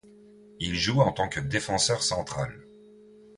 Il joue en tant que défenseur central.